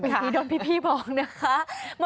ผีโดนพี่บอกนะคะ